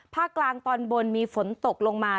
ภาคกลางตอนบนมีฝนตกลงมา